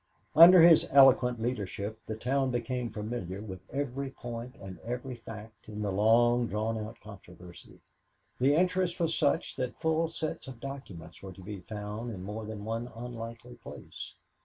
Under his eloquent leadership, the town became familiar with every point and every fact in the long drawn out controversy. The interest was such that full sets of documents were to be found in more than one unlikely place.